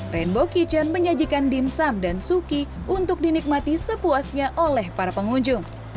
rainbow kitchen menyajikan dimsum dan suki untuk dinikmati sepuasnya oleh para pengunjung